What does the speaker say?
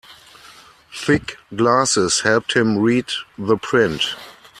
Thick glasses helped him read the print.